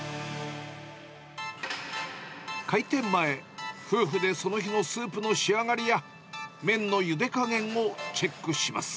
開店前、夫婦でその日のスープの仕上がりや、麺のゆで加減をチェックします。